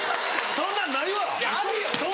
そんな家ないわ！